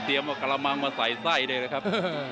เตรียมเอากะละมังมาใส่ไส้ได้เลยครับ